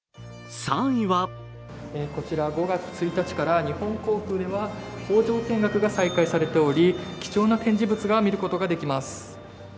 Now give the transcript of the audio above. こちら５月１日から日本航空では、工場見学が再開されており貴重な展示物を見ることができます。